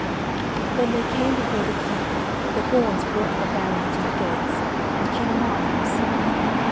When they came before the keep the horns brought the barons to the gates and King Mark himself.